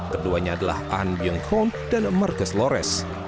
keduanya adalah an byung kong dan marcus lores